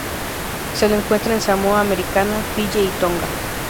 Se lo encuentra en Samoa Americana, Fiyi, y Tonga.